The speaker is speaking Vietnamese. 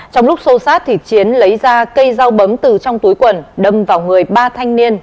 trong lúc sâu sát chiến lấy ra cây dao bấm từ trong túi quần đâm vào người ba thanh niên